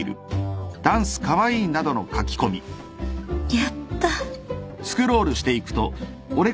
やった。